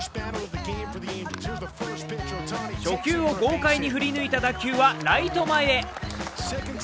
初球を豪快に振り抜いた打球はライト前へ。